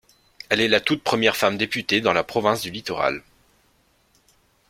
Elle est la toute première femme députée dans la province du Littoral.